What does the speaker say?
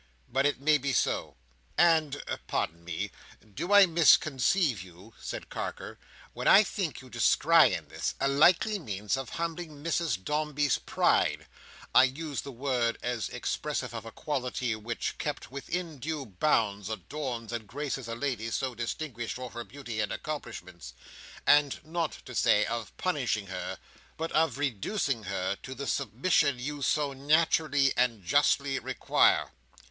But it may be so." "And—pardon me—do I misconceive you," said Carker, "when I think you descry in this, a likely means of humbling Mrs Dombey's pride—I use the word as expressive of a quality which, kept within due bounds, adorns and graces a lady so distinguished for her beauty and accomplishments—and, not to say of punishing her, but of reducing her to the submission you so naturally and justly require?"